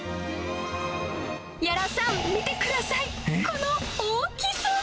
屋良さん、見てください、この大きさ。